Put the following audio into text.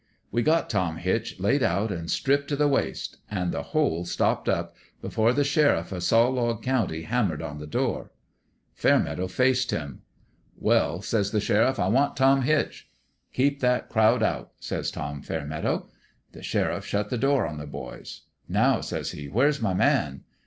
" We had Tom Hitch laid out an' stripped t' the waist an' the hole stopped up before the sheriff o' Saw log County hammered on the door. " Fairmeadow faced him. "' Well,' says the sheriff, ' I want Tom Hitch/ "' Keep that crowd out,' says John Fair meadow. "The sheriff shut the door on the boys. 1 Now,' says he, ' where's my man